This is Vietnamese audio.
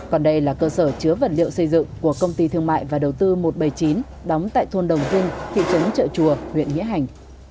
còn đây là cơ sở chứa vật liệu xây dựng của công ty thương mại và đầu tư một trăm bảy mươi chín đóng tại thôn đồng vinh thị trấn trợ chùa huyện nghĩa hành